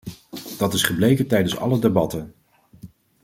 Dat is gebleken tijdens alle debatten.